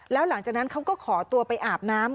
แล้วหลังจากนั้นเขาก็ขอตัวไปอาบน้ำ